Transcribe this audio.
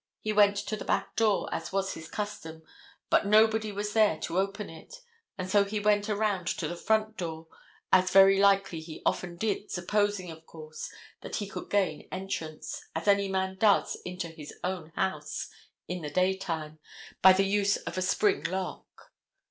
He went to the back door, as was his custom, but nobody was there to open it, and so he went around to the front door, as very likely he often did, supposing, of course, that he could gain entrance, as any man does into his own house in the day time, by the use of a spring lock.